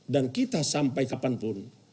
dan kita sampai kapan pun